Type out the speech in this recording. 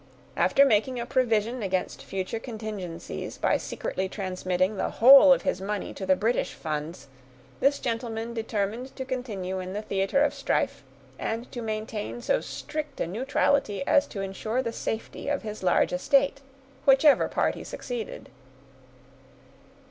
After making a provision against future contingencies, by secretly transmitting the whole of his money to the British funds, this gentleman determined to continue in the theater of strife, and to maintain so strict a neutrality as to insure the safety of his large estate, whichever party succeeded.